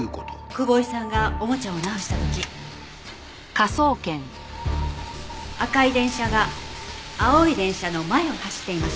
久保井さんがおもちゃを直した時赤い電車が青い電車の前を走っていました。